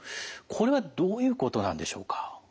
これはどういうことなんでしょうか？